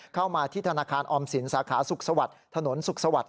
เข้ามาที่ธนาคารออมศิลป์สาขาศุกษวรรษถนนศุกษวรรษ